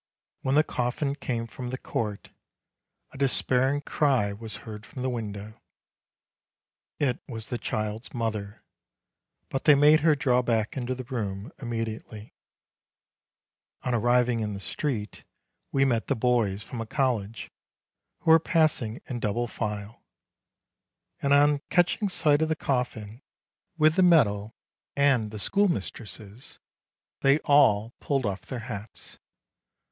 1 When the coffin came from the court, a despairing cry was heard from the window. It was the child's mother; but they made her draw back into the room 176 MARCH immediately. On arriving in the street, we met the boys from a college, who were passing in double file; and on catching sight of the coffin with the medal and the schoolmistresses, they all pulled off their hats.